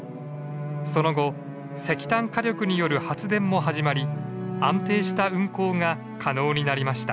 その後石炭火力による発電も始まり安定した運行が可能になりました。